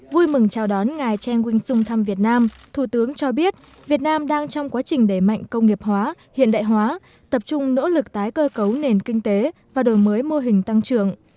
vui mừng chào đón ngài chen wing sung thăm việt nam thủ tướng cho biết việt nam đang trong quá trình đẩy mạnh công nghiệp hóa hiện đại hóa tập trung nỗ lực tái cơ cấu nền kinh tế và đổi mới mô hình tăng trưởng